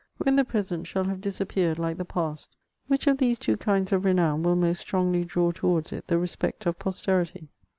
When the present shall have disappeared like the past, which of these two kinds of renown will most strongly draw towards it the respect of posterity